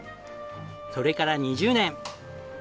それから２０年。